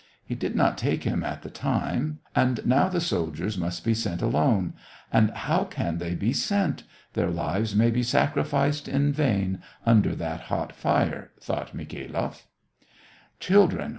" He did not take him at the time, and now the soldiers must be sent alone — and how can they be sent } their lives may be sacrificed in vain, under that hot fire," thought Mikhailoff. "Children!